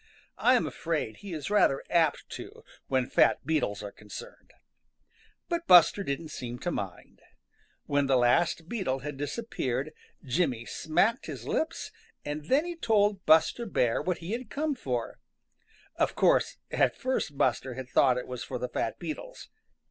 I am afraid he is rather apt to when fat beetles are concerned. But Buster didn't seem to mind. When the last beetle had disappeared Jimmy smacked his lips, and then he told Buster Bear what he had come for. Of course, at first Buster had thought it was for the fat beetles.